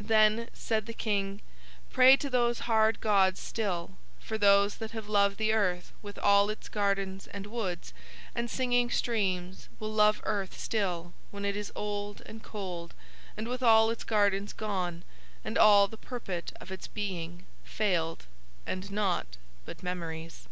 Then said the King: "Pray to those hard gods still, for those that have loved the earth with all its gardens and woods and singing streams will love earth still when it is old and cold and with all its gardens gone and all the purport of its being failed and nought but memories."